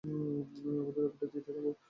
আমাকে আপডেট দিতে থেকো।